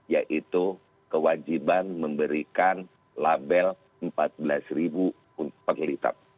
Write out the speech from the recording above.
yaitu kewajiban memberikan label empat belas ribu untuk per liter